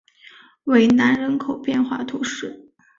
韦南人口变化图示